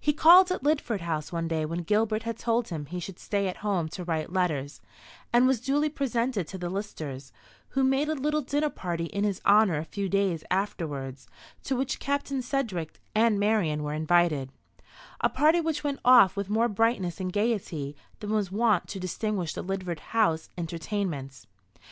He called at Lidford House one day when Gilbert had told him he should stay at home to write letters, and was duly presented to the Listers, who made a little dinner party in his honour a few days afterwards, to which Captain Sedgewick and Marian were invited a party which went off with more brightness and gaiety than was wont to distinguish the Lidford House entertainments.